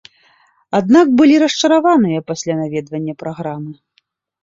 Аднак былі расчараваныя пасля наведвання праграмы.